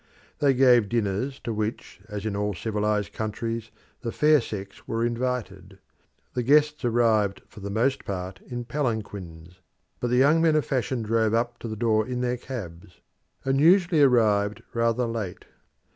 They gave dinners, to which, as in all civilised countries, the fair sex were invited. The guests arrived for the most part in palanquins, but the young men of fashion drove up to the door in their cabs, and usually arrived rather late.